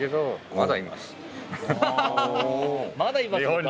まだいます？